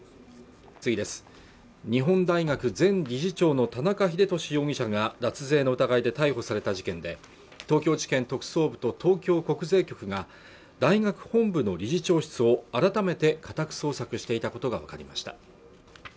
日本大学前理事長の田中英寿容疑者が脱税の疑いで逮捕された事件で東京地検特捜部と東京国税局が大学本部の理事長室を改めて家宅捜索していたことが分かりました